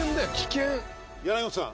柳元さん。